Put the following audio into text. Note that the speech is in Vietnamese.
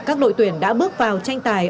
các đội tuyển đã bước vào tranh tài